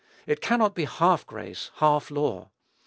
It cannot be half grace, half law.